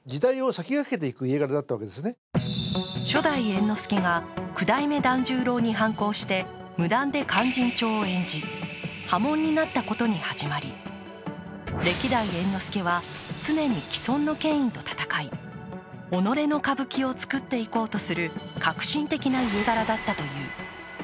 猿之助という名跡について犬丸氏は初代猿之助が九代目團十郎に反抗して無断で「勧進帳」を演じ波紋になったことに始まり歴代猿之助は常に既存の権威と闘い、己の歌舞伎を作っていこうとする革新的な家柄だったという。